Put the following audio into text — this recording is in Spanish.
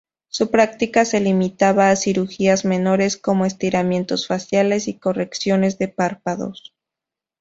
Su práctica se limitaba a cirugías menores como estiramientos faciales y correcciones de párpados.